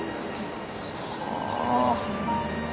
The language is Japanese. はあ。